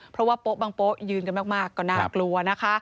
เพราะว่าโป๊ะบางโป๊ะยืนกันมากก็น่ากลัวนะคะ